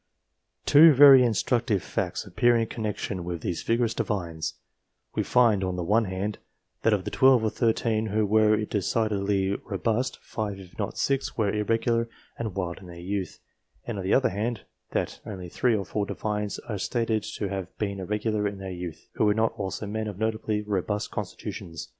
Two very instructive facts appear in connexion with these vigorous Divines : we find, on the one hand, that of the 12 or 13 who were decidedly robust, 5, if not 6, were irregular and wild in their youth ; and, on the other hand, that only 3 or 4 Divines are stated to have been irregular in their youth, who were not also men of notably robust consti tutions.